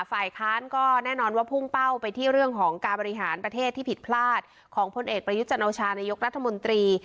ฝ่ายค้านก็แน่นอนว่าพุ่งเป้าไปที่เรื่องของการบริหารประเทศที่ผิดพลาดของพลเอกประยุทธ์จันโอชานายกรัฐมนตรี